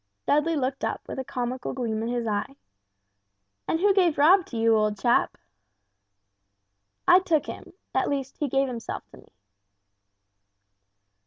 Dudley looked up with a comical gleam in his eye. "And who gave Rob to you, old chap?" "I took him at least he gave himself to me."